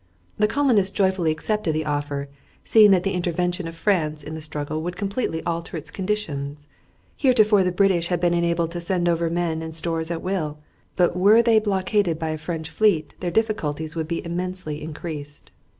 The colonists joyfully accepted the offer, seeing that the intervention of France in the struggle would completely alter its conditions. Heretofore the British had been enabled to send over men and stores at will, but were they blockaded by a French fleet their difficulties would be immensely increased.